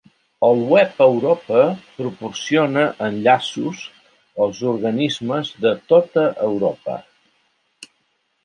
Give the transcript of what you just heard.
El web Europa proporciona enllaços als organismes de tota Europa.